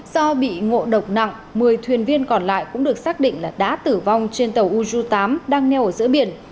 do bị ngộ độc nặng một mươi thuyền viên còn lại cũng được xác định là đã tử vong trên tàu uzu tám đang neo ở giữa biển